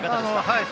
はい。